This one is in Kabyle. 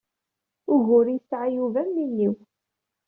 Ugur i yesɛa Yuba am win-iw.